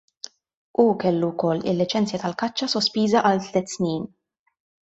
Hu kellu wkoll il-liċenzja tal-kaċċa sospiża għal tliet snin.